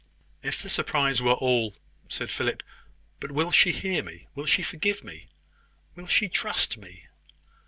"If the surprise were all " said Philip. "But will she hear me? Will she forgive me? Will she trust me?"